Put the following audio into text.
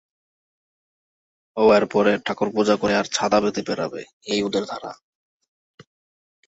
ও এরপরে ঠাকুরপুজো করে আর ছাদা বেঁধে বেড়াবে,-ওই ওদের ধারা।